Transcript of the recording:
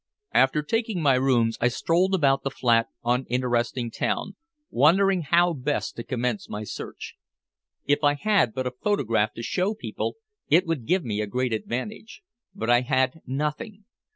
After taking my rooms, I strolled about the flat, uninteresting town, wondering how best to commence my search. If I had but a photograph to show people it would give me a great advantage, but I had nothing.